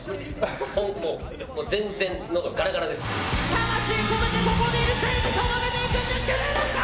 魂込めてここにいる全員に届けていくんですけどいいですか！